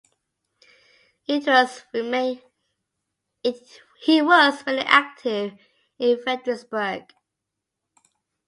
He was mainly active in Frederiksberg.